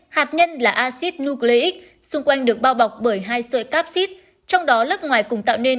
hạt nhân là acid nucleic xung quanh được bao bọc bởi hai sợi capsid trong đó lớp ngoài cũng tạo nên